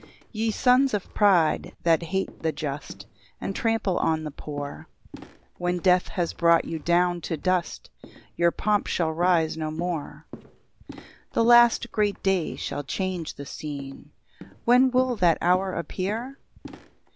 1 Ye sons of pride, that hate the just, And trample on the poor, When death has brought you down to dust, Your pomp shall rise no more, 2 The last great day shall change the scene; When will that hour appear?